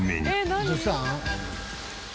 どしたん？